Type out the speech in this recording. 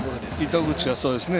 糸口はそうですね。